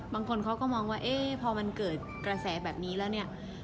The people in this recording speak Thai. บางคนเขาก็มองว่าเอ๊ะพอมันเกิดกระแสแบบนี้แล้วเนี่ย